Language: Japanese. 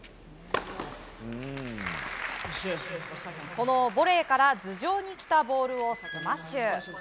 このボレーから頭上に来たボールをスマッシュ。